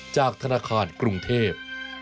จากธนาคารกรุงเทพ